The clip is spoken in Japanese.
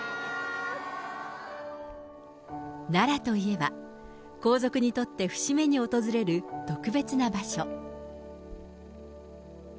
奈良といえば、皇族にとって節目に訪れる特別な場所。